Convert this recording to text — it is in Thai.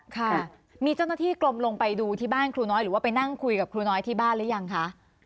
ค่ะมีเจ้าหน้าที่กลมลงไปดูที่บ้านครูน้อยหรือว่าไปนั่งคุยกับครูน้อยที่บ้านหรือยังคะ